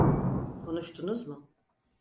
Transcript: Konuştunuz mu?